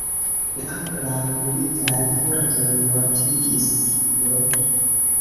La anglaj militaj fortoj mortigis pr.